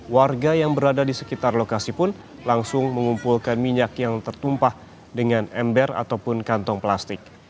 warga yang berada di sekitar lokasi pun langsung mengumpulkan minyak yang tertumpah dengan ember ataupun kantong plastik